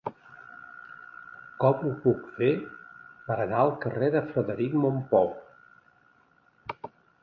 Com ho puc fer per anar al carrer de Frederic Mompou?